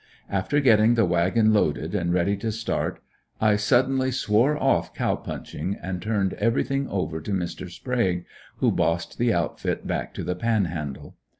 After getting the wagon loaded and ready to start, I suddenly swore off cow punching and turned everything over to Mr. Sprague, who bossed the outfit back to the Panhandle.